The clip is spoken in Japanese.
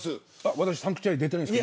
私サンクチュアリ出てないです。